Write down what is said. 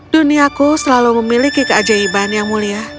duniaku selalu memiliki keajaiban yang mulia